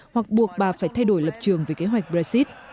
hoặc buộc bà phải thay đổi lập trường về kế hoạch brexit